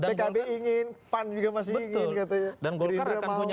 pkb ingin pan juga masih ingin katanya